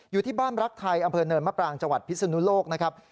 อยู่ที่บ้านรักไทยอำเภอเนินมะปรางจังหวัดพิศนุโลกนะครับ